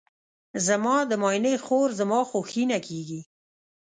زما د ماینې خور زما خوښینه کیږي.